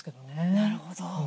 なるほど。